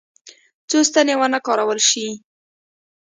څو ستنې ونه کارول شي.